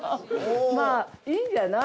まあ、いいんじゃない？